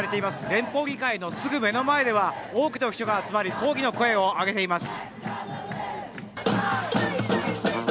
連邦議会のすぐ目の前では多くの人が集まり抗議の声を上げています。